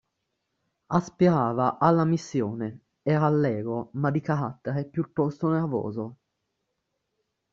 Aspirava alla missione, era allegro, ma di carattere piuttosto nervoso.